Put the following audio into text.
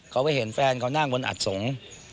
เขาไปเห็นแฟนเขานั่งบนอัดสงฆ์